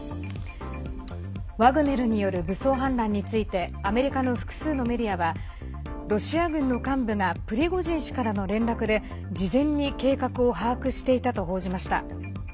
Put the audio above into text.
ワグネルによる武装反乱についてアメリカの複数メディアはロシア軍の幹部がプリゴジン代表からの連絡で事前に計画を把握していたと報じました。